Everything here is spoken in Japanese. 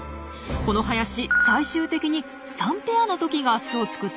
この林最終的に３ペアのトキが巣を作ったんです。